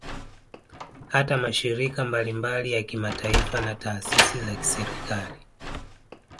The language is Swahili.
Hata mashirika mbalimbali ya kimataifa na taasisi za kiserikali